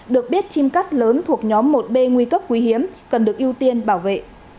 được biết chim cắt lớn thuộc nhóm một b nguy cấp quý hiếm cần được ưu tiên bảo vệ